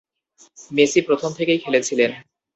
Messi প্রথম থেকেই খেলেছিলেন।